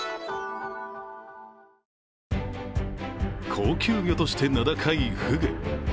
高級魚として名高いフグ。